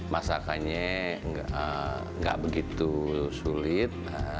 masakannya nggak begitu sulit